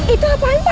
itu apaan pak